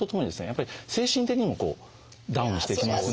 やっぱり精神的にもダウンしてきますんで。